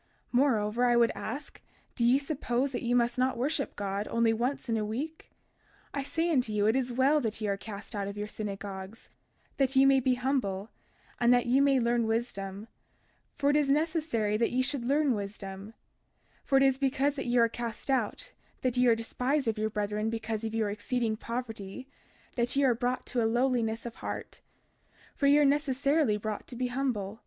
32:11 Moreover, I would ask, do ye suppose that ye must not worship God only once in a week? 32:12 I say unto you, it is well that ye are cast out of your synagogues, that ye may be humble, and that ye may learn wisdom; for it is necessary that ye should learn wisdom; for it is because that ye are cast out, that ye are despised of your brethren because of your exceeding poverty, that ye are brought to a lowliness of heart; for ye are necessarily brought to be humble.